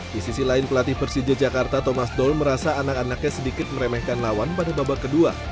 di sisi lain pelatih persija jakarta thomas doll merasa anak anaknya sedikit meremehkan lawan pada babak kedua